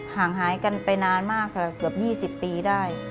ห่างหายกันไปนานมากค่ะเกือบ๒๐ปีได้